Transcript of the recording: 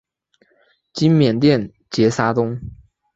今缅甸杰沙东。